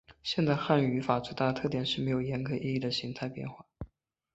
现代汉语语法最大的特点是没有严格意义的形态变化。